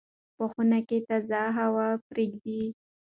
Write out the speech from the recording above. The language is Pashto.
په خونه کې تازه هوا پرېږدئ.